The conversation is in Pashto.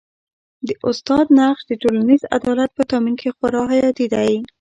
د استاد نقش د ټولنیز عدالت په تامین کي خورا حیاتي دی.